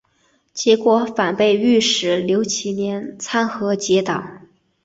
结果反被御史刘其年参劾结党。